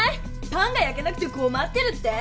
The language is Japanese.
パンがやけなくてこまってるって？